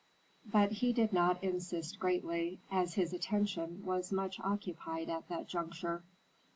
But he did not insist greatly, as his attention was much occupied at that juncture.